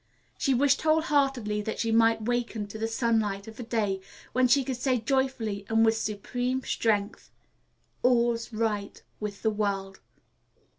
She wished whole heartedly that she might waken to the sunlight of a day when she could say joyfully and with supreme truth: "All's right with the world."